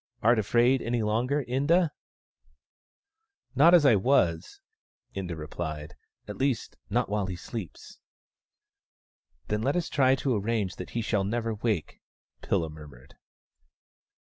Art afraid any longer, Inda ?"" Not as I was," Inda replied, " At least, not white he sleeps." " Then let us try to arrange that he shall never wake," Pilla murmured.